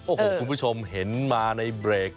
โอ้โหคุณผู้ชมเห็นมาในเบรก